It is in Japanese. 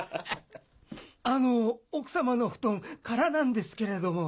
あの奥様の布団空なんですけれども。